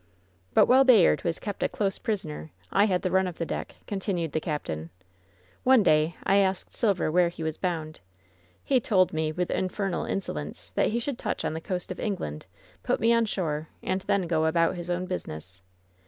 "But while Bayard was kept a close prisoner, I had tibe run of the deck," continued the captain. "One day I asked Silver where he was boimd. He told me, with kifemal insolence, that he should touch on the coast of 46 WHEN SHADOWS DDE England, put me on shore, and then go about his own business.